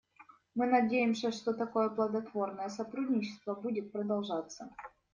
Мы надеемся, что такое плодотворное сотрудничество будет продолжаться.